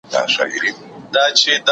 د ملکیت ساتنه د ټولنیز ثبات برخه ده.